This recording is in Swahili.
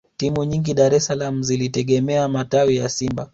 timu nyingi dar es salaam zilitegemea matawi ya simba